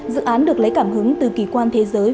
dự án được lấy cảm hứng từ kỳ quan thế giới